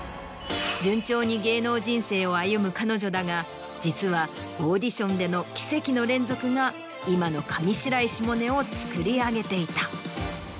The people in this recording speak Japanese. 順調に芸能人生を歩む彼女だが実はオーディションでの奇跡の連続が今の上白石萌音をつくり上げていた。